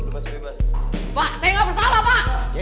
pak saya nggak bersalah pak